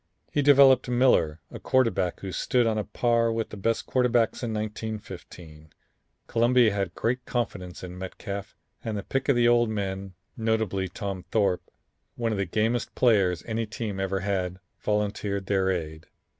He developed Miller, a quarterback who stood on a par with the best quarterbacks in 1915. Columbia had great confidence in Metcalf, and the pick of the old men, notably Tom Thorp, one of the gamest players any team ever had, volunteered their aid.